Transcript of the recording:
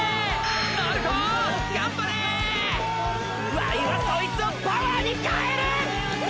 ワイはそいつをパワーに変える！！